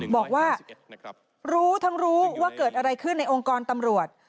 บอกว่ารู้ทั้งรู้ว่าเกิดอะไรขึ้นในองค์กรตำรวจ